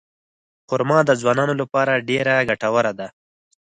خرما د ځوانانو لپاره ډېره ګټوره ده.